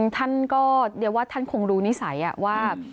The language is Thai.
ท่านก็คงรู้หน้าใส่